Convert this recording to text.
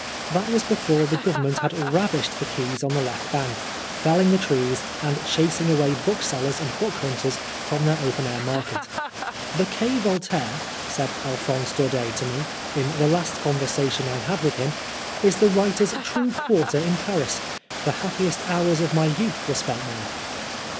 That was before the Govern ment had ravaged the quays on the left bank, felling the trees, and chasing away booksellers and bookhunters from their open air market. "The Quai Voltaire," said Alphonse Daudet to me, in the last conversation I had with him, " is the writer's true quarter in Paris. The happiest hours of my youth were spent there."